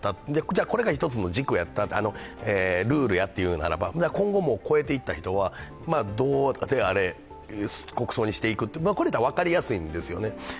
じゃあ、これが１つのルールやといとうなら、今後も超えていった人は、どうであれ国葬にしていく、これだと分かりやすいんですよね。